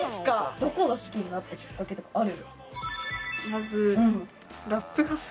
どこが好きになったきっかけとかある？